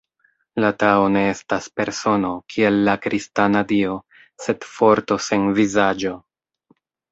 La Tao ne estas persono, kiel la kristana Dio, sed forto sen vizaĝo.